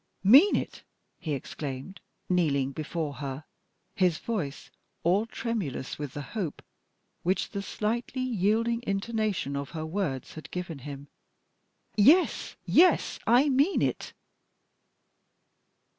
"Mean it!" he exclaimed, kneeling before her, his voice all tremulous with the hope which the slightly yielding intonation of her words had given him. "Yes yes I mean it."